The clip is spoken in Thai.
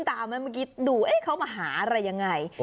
เมื่อกี้ดูเขามาหาอะไรยังไง